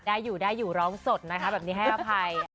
ได้อยู่ได้อยู่ร้องสดนะคะแบบนี้ให้อภัย